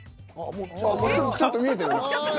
ちょっと見えてる。